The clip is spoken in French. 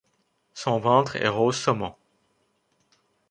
Son ventre est rose-saumon.